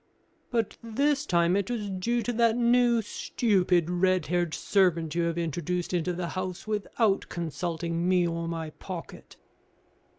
But this time it was due to that new, stupid, red haired servant you have introduced into the house without consulting me or my pocket."